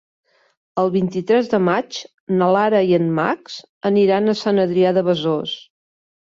El vint-i-tres de maig na Lara i en Max aniran a Sant Adrià de Besòs.